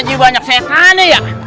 ini nggak saya tahu ya